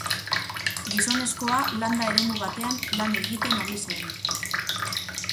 Gizonezkoa landa eremu batean lan egiten ari zen.